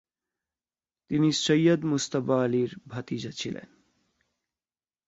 তিনি সৈয়দ মুজতবা আলীর ভাতিজা ছিলেন।